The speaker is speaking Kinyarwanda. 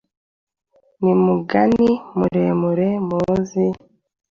n’umugani muremure mwize